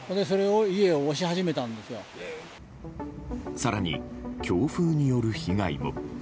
更に、強風による被害も。